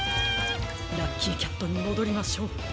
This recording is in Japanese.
ラッキーキャットにもどりましょう。